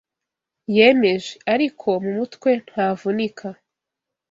yemeje, ariko mu mutwe ntavunika: